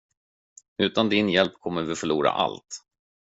Utan din hjälp kommer vi att förlora allt.